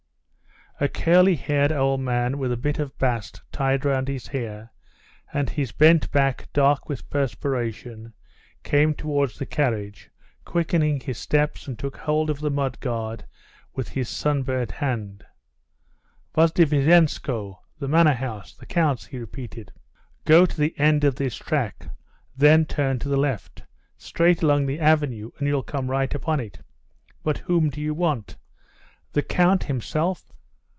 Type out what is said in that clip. A curly headed old man with a bit of bast tied round his hair, and his bent back dark with perspiration, came towards the carriage, quickening his steps, and took hold of the mud guard with his sunburnt hand. "Vozdvizhenskoe, the manor house? the count's?" he repeated; "go on to the end of this track. Then turn to the left. Straight along the avenue and you'll come right upon it. But whom do you want? The count himself?"